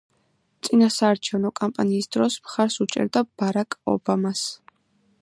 წინასაარჩევნო კამპანიის დროს მხარს უჭერდა ბარაკ ობამას.